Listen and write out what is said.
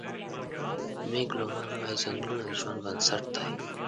مېګ لومان وايي: "ځنګلونه د ژوند بنسټ دی.